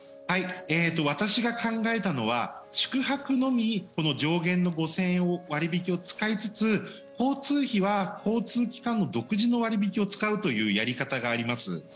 私が考えたのは、宿泊のみこの上限の５０００円を割引を使いつつ交通費は交通機関独自の割引を使うというやり方があります。